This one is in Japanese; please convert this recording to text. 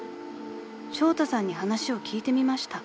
［ショウタさんに話を聞いてみました］